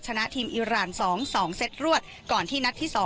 ชนะทีมอิราณ๒๒เซตรวดก่อนที่นัดที่๒